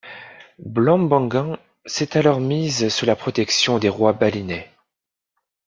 Blambangan s'est alors mise sous la protection des rois balinais.